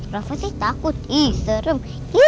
rasa sih takut ih serem